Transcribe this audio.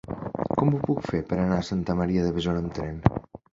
Com ho puc fer per anar a Santa Maria de Besora amb tren?